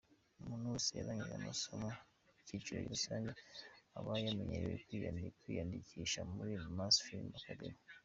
Umuntu wese warangije amasomo y’ikiciro rusange, aba yemerewe kwiyandikisha muri Mopas Film Academy.